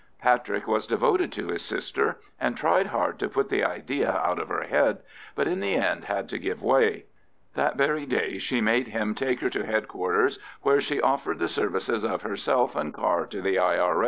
Patrick was devoted to his sister, and tried hard to put the idea out of her head, but in the end had to give way. That very day she made him take her to H.Q.'s, where she offered the services of herself and car to the I.R.